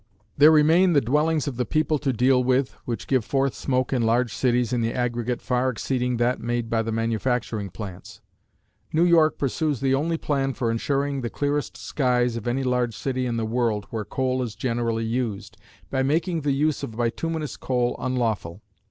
There remain the dwellings of the people to deal with, which give forth smoke in large cities in the aggregate far exceeding that made by the manufacturing plants. New York pursues the only plan for ensuring the clearest skies of any large city in the world where coal is generally used, by making the use of bituminous coal unlawful.